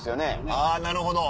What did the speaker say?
あぁなるほど。